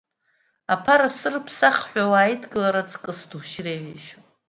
Аԥара сырԥсах ҳәа уааидгылар аҵкыс душьыр еиӷьишьоит.